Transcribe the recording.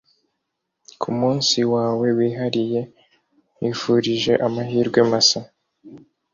ku munsi wawe wihariye, nkwifurije amahirwe masa